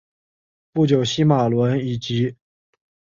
不久西马仑以近颠峰强度登陆吕宋岛的伊莎贝拉省。